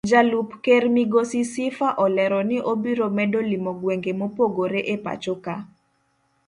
Jalup ker migosi Sifa olero ni obiro medo limo gwenge mopogore epachoka.